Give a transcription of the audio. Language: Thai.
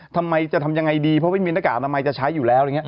ทำไมจะทำยังไงดีเพราะไม่มีหน้ากากทำไมจะใช้อยู่แล้ว